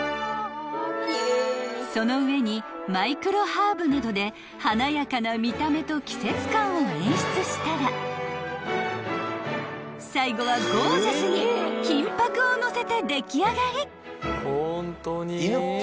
［その上にマイクロハーブなどで華やかな見た目と季節感を演出したら最後はゴージャスに金箔をのせて出来上がり］